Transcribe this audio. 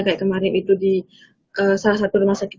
kayak kemarin itu di salah satu rumah sakit